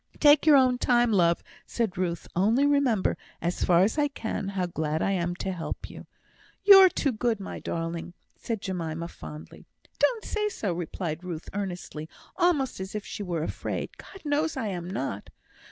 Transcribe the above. "Take your own time, love," said Ruth; "only remember, as far as I can, how glad I am to help you." "You're too good, my darling!" said Jemima, fondly. "Don't say so," replied Ruth, earnestly, almost as if she were afraid. "God knows I am not."